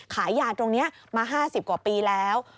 ขายยาตรงนี้มา๕๐กว่าปีแล้ว